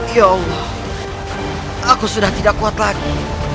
ya aku sudah tidak kuat lagi